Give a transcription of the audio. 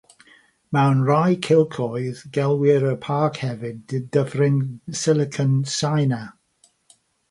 Mewn rhai cylchoedd gelwir y parc hefyd Dyffryn Silicon Tsieina.